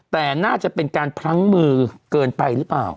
แต่น่าจะเป็นการพลั้งมือเกินไปหรือเปล่า